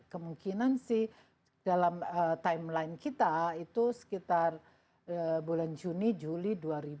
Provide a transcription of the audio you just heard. kemungkinan sih dalam timeline kita itu sekitar bulan juni juli dua ribu dua puluh